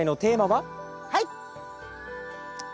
はい！